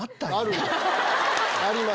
あります。